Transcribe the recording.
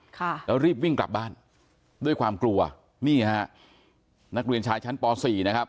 ค่ะแล้วรีบวิ่งกลับบ้านด้วยความกลัวนี่ฮะนักเรียนชายชั้นปสี่นะครับ